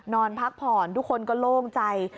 นอนพักผ่อนทุกคนก็โล่งใจ